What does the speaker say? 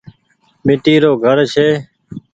ميٽي رو گهر ڇي۔